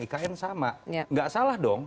ikn sama nggak salah dong